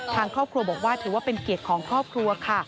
ทางครอบครัวบอกว่าถือว่าเป็นเกียรติของครอบครัวค่ะ